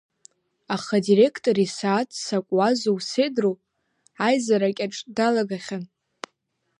Аха адиректор исааҭ ццакуазу сеидру, аизаракьаҿ далагахьан.